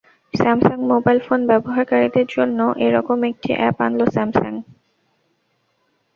Samsung mobile phone ব্যবহারকারীদের জন্য এ রকম একটি অ্যাপ আনল স্যামসাং।